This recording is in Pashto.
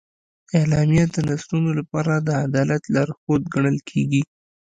اعلامیه د نسلونو لپاره د عدالت لارښود ګڼل کېږي.